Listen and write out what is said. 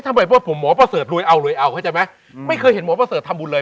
เอ๊ะทำไมเพราะผมหมอประเสริฐรวยเอาใช่ไหมไม่เคยเห็นหมอประเสริฐทำบุญเลย